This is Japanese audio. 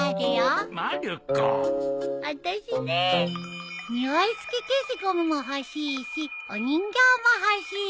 あたしねえ匂い付き消しゴムも欲しいしお人形も欲しい。